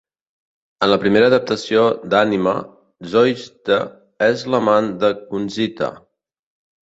En la primera adaptació d'anime, Zoisite és l'amant de Kunzita.